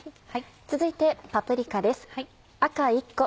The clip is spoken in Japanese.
続いてパプリカです。